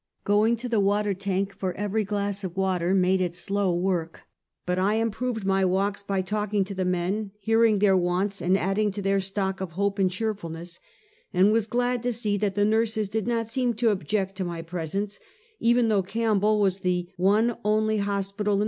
Going to the water tank for every glass of water made it slow work, but I improved my walks by talking to the men, hearing their wants and adding to their stock of hope and cheerfulness, and was glad to see that the nurses did, not seem to object to my presence, even though Campbell was the one only hospital in.